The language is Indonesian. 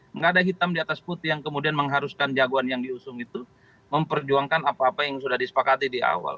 tidak ada hitam di atas putih yang kemudian mengharuskan jagoan yang diusung itu memperjuangkan apa apa yang sudah disepakati di awal